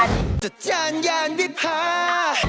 แล้วมาแกล้งดิฉัน